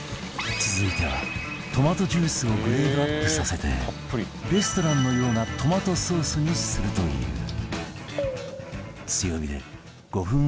続いてはトマトジュースをグレードアップさせてレストランのようなトマトソースにするという